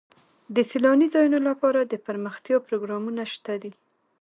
د سیلاني ځایونو لپاره دپرمختیا پروګرامونه شته دي.